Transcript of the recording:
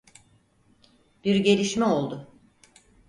Bir gelişme oldu.